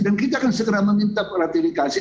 dan kita akan segera meminta ratifikasi